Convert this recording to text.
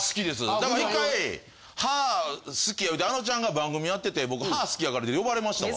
だから一回歯好きや言うてあのちゃんが番組やってて僕歯好きやからって呼ばれましたわ。